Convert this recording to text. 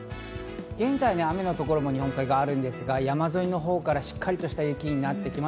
現在、雨の所も日本海側はあるんですが、山沿いの方からしっかりした雪になってきます。